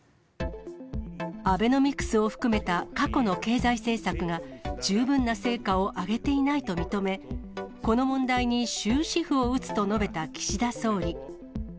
アベノミクスを含めた過去の経済政策が、十分な成果を上げていないと認め、この問題に終止符を打つと述べた岸田総理。